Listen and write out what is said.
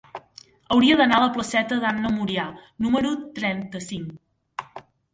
Hauria d'anar a la placeta d'Anna Murià número trenta-cinc.